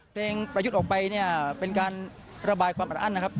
เพลงประยุทธ์ออกไปเป็นการระบายความอร่านนะครับ